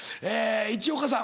市岡さん